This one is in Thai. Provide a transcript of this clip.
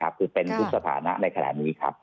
คือเป็นพุทธภานะในขณะนี้